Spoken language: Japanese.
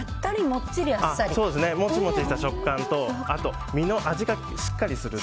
もちもちした食感とあと身の味がしっかりする。